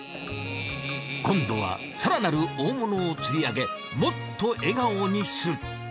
今度は更なる大物を釣りあげもっと笑顔にする。